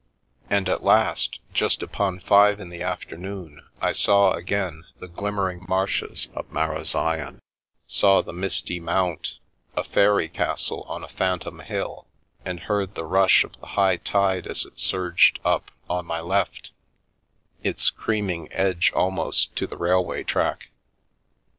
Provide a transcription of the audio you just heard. And, at last, just upon five in the afternoon, I saw again the glimmering marshes of Marazion, saw the misty Mount — a fairy castle on a phantom hill — and heard the rush of the high tide as it surged up, on my left, its creaming edge almost to the railway track.